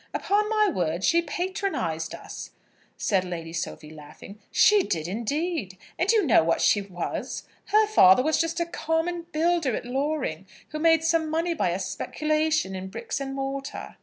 "Upon my word, she patronised us," said Lady Sophie, laughing. "She did, indeed! And you know what she was. Her father was just a common builder at Loring, who made some money by a speculation in bricks and mortar."